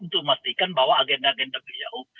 untuk memastikan bahwa agenda agenda beliau